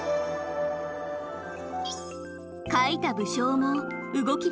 描いた武将も動きだす！